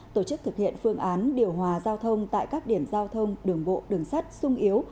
tổ chức thực hiện phương án điều hòa giao thông tại các điểm giao thông đường bộ đường sắt sung yếu